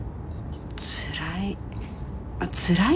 つらい。